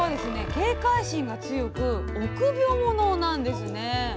警戒心が強く臆病ものなんですね。